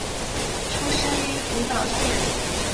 出身于福岛县。